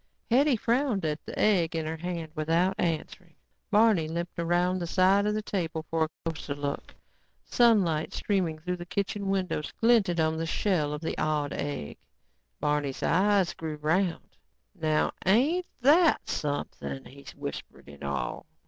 Hetty frowned at the egg in her hand without answering. Barney limped around the side of the table for a closer look. Sunlight streaming through the kitchen windows glinted on the shell of the odd egg. Barney's eyes grew round. "Now ain't that something," he whispered in awe.